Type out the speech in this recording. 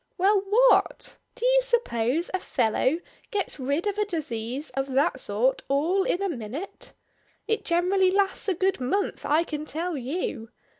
"Well; what? Do you suppose a fellow gets rid of a disease of that sort all in a minute? It generally lasts a good month, I can tell you.